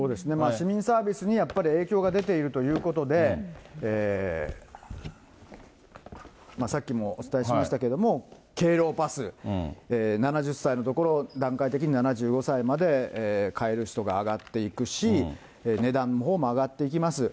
市民サービスにやっぱり影響が出ているということで、さっきもお伝えしましたけども、敬老パス、７０歳のところを段階的に７５歳まで買える人が上がっていくし、値段のほうも上がっていきます。